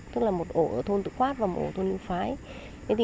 tức là một ổ thôn tự khoát và một ổ thôn lưu phái